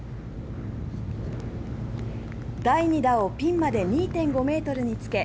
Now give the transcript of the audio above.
第２打をピンまで２．５ｍにつけ